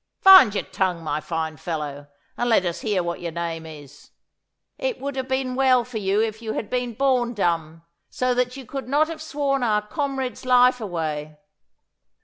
Find your tongue, my fine fellow, and let us hear what your name is. It would have been well for you if you had been born dumb, so that you could not have sworn our comrade's life away.